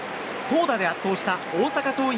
投打で圧倒した大阪桐蔭。